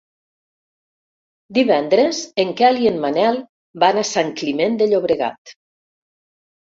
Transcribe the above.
Divendres en Quel i en Manel van a Sant Climent de Llobregat.